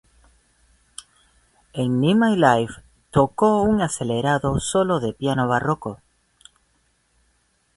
En "In My Life", tocó un acelerado solo de piano barroco.